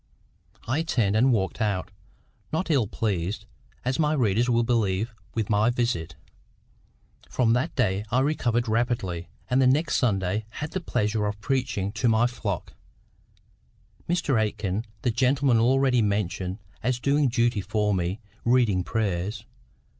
I turned and walked out, not ill pleased, as my readers will believe, with my visit. From that day I recovered rapidly, and the next Sunday had the pleasure of preaching to my flock; Mr Aikin, the gentleman already mentioned as doing duty for me, reading prayers.